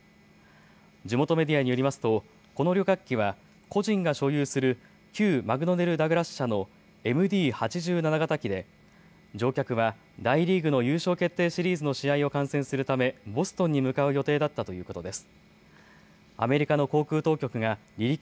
地元メディアによりますとこの旅客機は個人が所有する旧マクドネル・ダグラス社のＭＤ８７型機で乗客は大リーグの優勝決定シリーズの試合を観戦するため、ボストンに向かう予定だったということです。